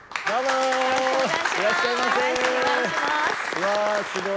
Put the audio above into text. よろしくお願いします。